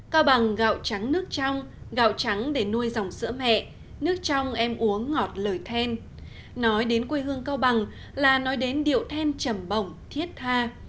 cao bằng gạo trắng nước trong gạo trắng để nuôi dòng sữa mẹ nước trong em uống ngọt lời then nói đến quê hương cao bằng là nói đến điệu then trầm bổng thiết tha